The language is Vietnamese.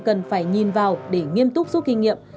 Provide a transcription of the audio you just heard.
cần phải nhìn vào để nghiêm túc rút kinh nghiệm